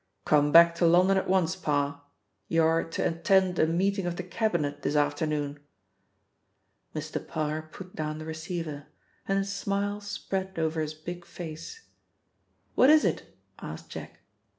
"Come back to London at once, Parr; you are to attend a meeting of the Cabinet this afternoon." Mr. Parr put down the receiver, and a smile spread over his big face. "What is it?" asked Jack.